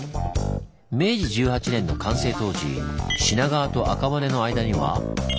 明治１８年の完成当時品川と赤羽の間には。